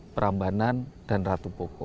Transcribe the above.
prambanan dan ratu boko